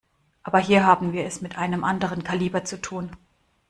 Aber hier haben wir es mit einem anderen Kaliber zu tun.